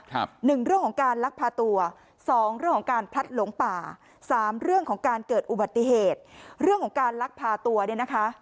หนึ่งเรื่องของการลักพาตัวสองเรื่องของการพลัดหลงป่าสามเรื่องของการเกิดอุบัติเหตุเรื่องของการลักพาตัวเนี่ยนะคะ